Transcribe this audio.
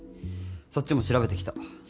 そっちも調べてきた。